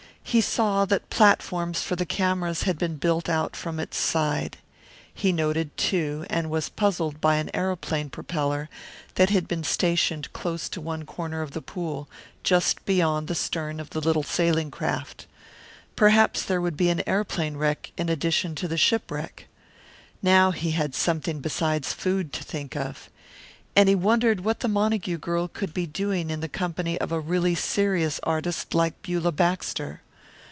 He saw that platforms for the cameras had been built out from its side. He noted, too, and was puzzled by an aeroplane propeller that had been stationed close to one corner of the pool, just beyond the stern of the little sailing craft. Perhaps there would be an aeroplane wreck in addition to a shipwreck. Now he had something besides food to think of. And he wondered what the Montague girl could be doing in the company of a really serious artist like Beulah Baxter.